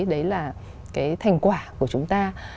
đấy là cái thành quả của chúng ta